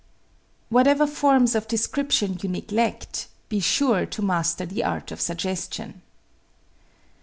Whatever forms of description you neglect, be sure to master the art of suggestion.